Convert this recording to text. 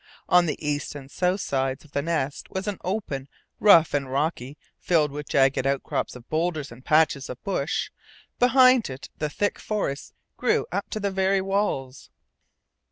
On the east and south sides of the Nest was an open, rough and rocky, filled with jagged outcrops of boulders and patches of bush; behind it the thick forest grew up to the very walls.